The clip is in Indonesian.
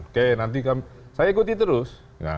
oke nanti saya ikuti terus